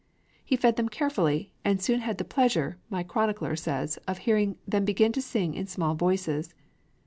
He fed them carefully, and soon had the pleasure, my chronicler says, of hearing them "begin to sing in small voices."